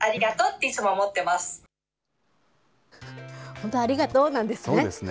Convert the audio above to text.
本当、ありがとうなんですね。